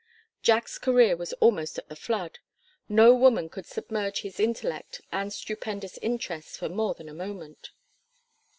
Jack's career was almost at the flood. No woman could submerge his intellect and stupendous interests for more than a moment.